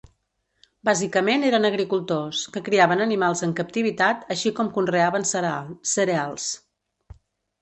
Bàsicament eren agricultors, que criaven animals en captivitat així com conreaven cereals.